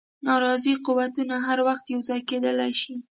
ناراضي قوتونه هر وخت یو ځای کېدلای شي.